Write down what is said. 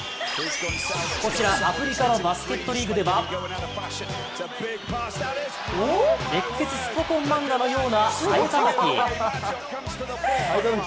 こちらアフリカのバスケットリーグでは熱血スポ根漫画のようなハエたたき！